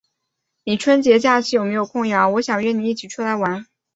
你春节假期有没有空呀？我想约你一起出来玩。